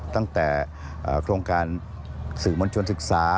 ตั้งแต่โครงการสื่อมวลชนศึกษา